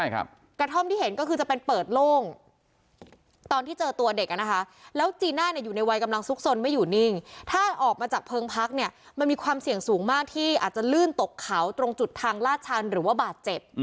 กระท่อมที่เห็นก็คือจะเป็นเปิดโล่งตอนที่เจอตัวเด็กอ่ะนะคะแล้วจีน่าเนี่ยอยู่ในวัยกำลังซุกสนไม่อยู่นิ่งถ้าออกมาจากเพิงพักเนี่ยมันมีความเสี่ยงสูงมากที่อาจจะลื่นตกเขาตรงจุดทางลาดชันหรือว่าบาดเจ็บ